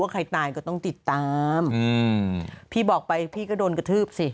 ใครตายก็ต้องติดตามอืมพี่บอกไปพี่ก็โดนกระทืบสิ